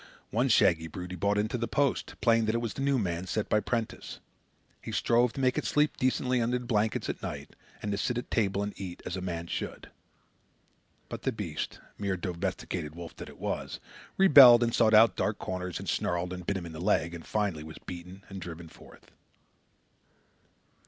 One shaggy brute he brought into the post, playing that it was the new man sent by Prentiss. He strove to make it sleep decently under blankets at nights and to sit at table and eat as a man should; but the beast, mere domesticated wolf that it was, rebelled, and sought out dark corners and snarled and bit him in the leg, and was finally beaten and driven forth.